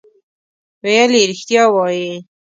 ویل یې رښتیا وایې.